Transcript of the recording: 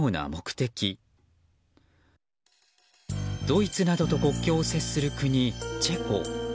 ドイツなどと国境を接する国チェコ。